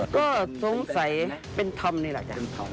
ก็สงสัยเป็นธรรมนี่แหละจ๊ะ